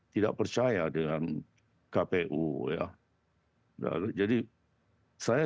tidak percaya dengan kpu ya jadi saya